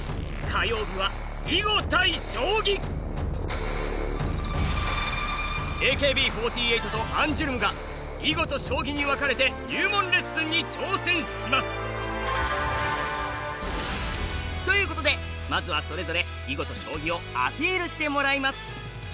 火曜日はＡＫＢ４８とアンジュルムが囲碁と将棋に分かれて入門レッスンに挑戦します！ということでまずはそれぞれ囲碁と将棋をアピールしてもらいます！